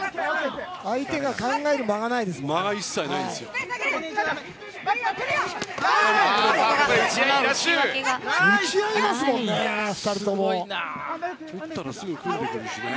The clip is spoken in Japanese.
相手が考える間がないですもんね。